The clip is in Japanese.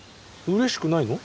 うれしくないの？